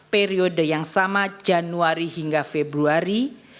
periode yang sama januari hingga februari